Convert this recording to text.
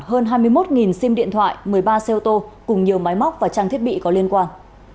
hơn hai mươi một sim điện thoại một mươi ba xe ô tô cùng nhiều máy móc và trang thiết bị có liên quan